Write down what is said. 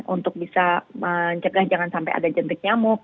untuk bisa mencegah jangan sampai ada jentik nyamuk